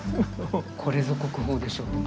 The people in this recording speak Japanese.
これぞ国宝でしょうね。